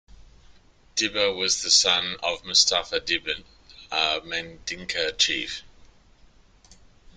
Dibba was the son of Mustapha Dibba, a Mandinka chief.